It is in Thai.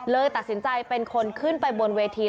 ตัดสินใจเป็นคนขึ้นไปบนเวที